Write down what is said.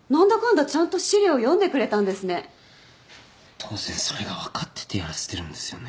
当然それが分かっててやらせてるんですよね。